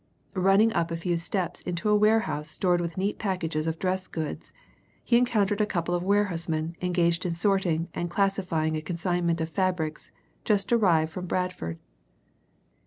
Running up a few steps into a warehouse stored with neat packages of dress goods, he encountered a couple of warehousemen engaged in sorting and classifying a consignment of fabrics just arrived from Bradford.